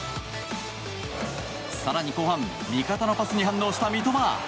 更に、後半味方のパスに反応した三笘。